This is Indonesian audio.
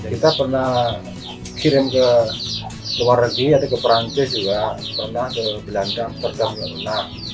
kita pernah kirim ke luar negeri atau ke perancis juga pernah ke belanda pernah